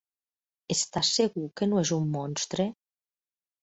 Estàs segur que no és un monstre?